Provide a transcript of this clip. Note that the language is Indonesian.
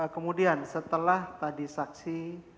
kemudian setelah tadi saksi